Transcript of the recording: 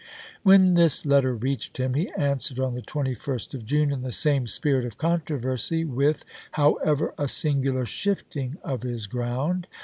When this letter reached him he p^8.' answered on the 21st of June in the same sj^irit of controversy, with, however, a singular shifting of his ground.